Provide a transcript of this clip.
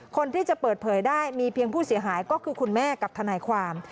คนที่จะเปิดเผยได้มีเพียงผู้เสียหายก็คือคุณแม่กับทนายความ